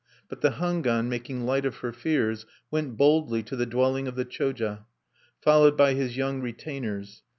But the Hangwan, making light of her fears, went boldly to the dwelling of the Choja, followed by his young retainers.